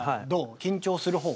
緊張するほう？